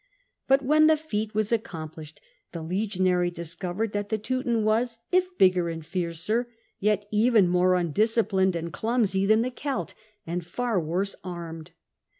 But when the feat was accom plished the legionary discovered that the Teuton was, if bigger and fiercer, yet even more undisciplined and clumsy than the Colt, and far worse armed.